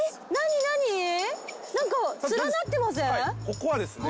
ここはですね